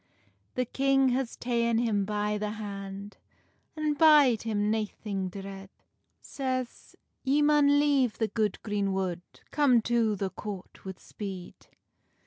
The king has taen him by the hand, An bide him naithing dread; Says, "Ye maun leave the good greenwood, Come to the court wi speed."